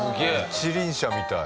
一輪車みたい。